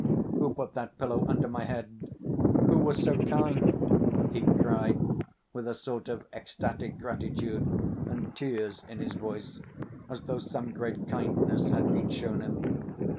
"Who put that pillow under my head? Who was so kind?" he cried, with a sort of ecstatic gratitude, and tears in his voice, as though some great kindness had been shown him.